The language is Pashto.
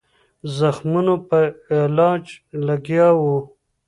زخمونو په علاج لګیا وو.